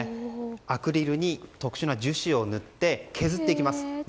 アクリルに特殊な樹脂を塗って削っていきます。